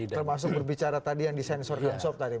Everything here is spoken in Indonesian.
termasuk berbicara tadi yang disensor honsop tadi